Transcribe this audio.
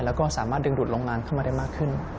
แล้วก็สามารถดึงดูดโรงงานเข้ามาได้มากขึ้น